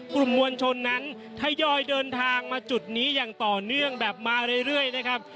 กลุ่มมวลชนนั้นทยอยเดินทางมาจุดนี้อย่างต่อเนื่องแบบมาเรื่อยนะครับ